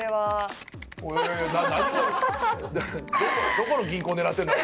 どこの銀行狙ってんだ？